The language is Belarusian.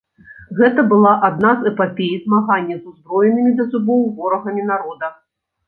Гэта была адна з эпапей змагання з узброенымі да зубоў ворагамі народа.